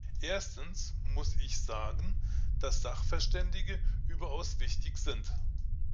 Erstens muss ich sagen, dass Sachverständige überaus wichtig sind.